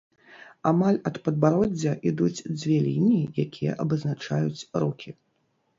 Амаль ад падбароддзя ідуць дзве лініі, якія абазначаюць рукі.